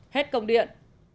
hết công điện